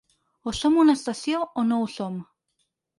O som una estació o no ho som.